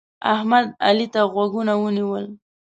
احمد؛ علي ته غوږونه ونیول.